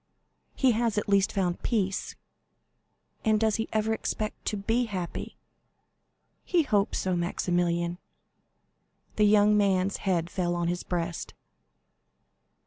"He has at least found peace." "And does he ever expect to be happy?" "He hopes so, Maximilian." The young man's head fell on his breast.